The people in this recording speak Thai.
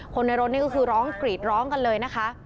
คนในรถนี่ก็คือร้องกรีดร้องกันเลยนะคะ